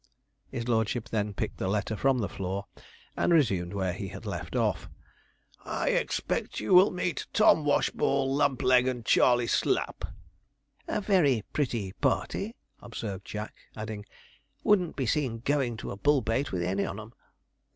His lordship then picked the letter from the floor, and resumed where he had left off. '"I expect you will meet Tom Washball, Lumpleg, and Charley Slapp."' 'A very pretty party,' observed Jack, adding, 'Wouldn't be seen goin' to a bull bait with any on 'em.'